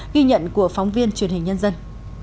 ghi nhận của phóng viên truyền hình nhân dân